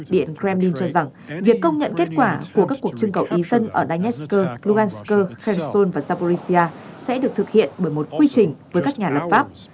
điện kremlin cho rằng việc công nhận kết quả của các cuộc trưng cầu ý dân ở donetsk lugansk kherson và zaporizhia sẽ được thực hiện bởi một quy trình với các nhà lập pháp